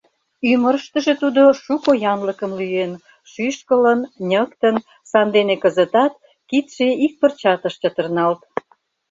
Ӱмырыштыжӧ тудо шуко янлыкым лӱен, шӱшкылын, ньыктын, сандене кызытат кидше ик пырчат ыш чытырналт.